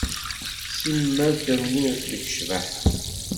Simmal trennu deg ccbaḥa.